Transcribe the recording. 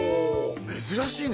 珍しいね